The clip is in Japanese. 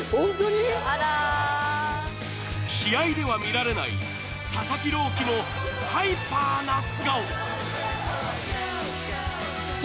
試合では見られない、佐々木朗希のハイパーな素顔。